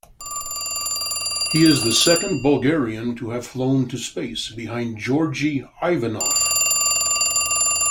He is the second Bulgarian to have flown to space, behind Georgi Ivanov.